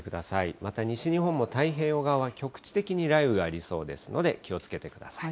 また西日本も太平洋側、局地的に雷雨がありそうですので、気をつけてください。